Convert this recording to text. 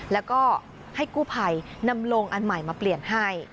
แล้วก็ให้กู้ภัยนำโลงอันใหม่มาเปลี่ยนให้